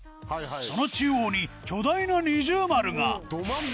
その中央に巨大な二重丸が！